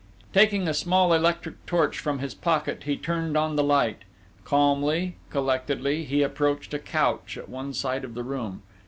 Taking a small electric torch from his pocket he turned on the light. Calmly, collectedly, he approached a couch at one side of the room....